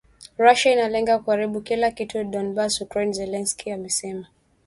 Russia inalenga kuharibu kila kitu Donbas Ukraine Zelensky amesema